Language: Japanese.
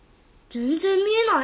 全然見えない。